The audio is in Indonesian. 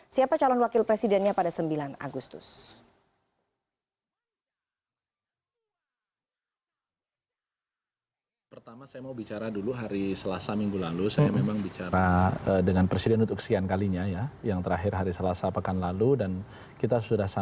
siapa calon wakil presidennya pada sembilan agustus